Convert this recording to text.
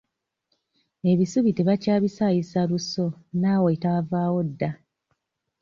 Ebisubi tebakyabisaayisa luso naawe twavaawo dda.